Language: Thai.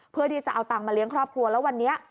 เพื่อที่จะเอาตังค์มาเลี้ยงครอบครัวแล้ววันนี้